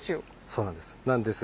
そうなんです。